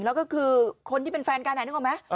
แล้วก็คือคนที่เป็นแฟนกันนึกออกไหม